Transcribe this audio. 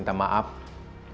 uda tempatnya kan